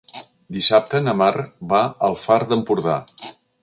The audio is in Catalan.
Dissabte na Mar va al Far d'Empordà.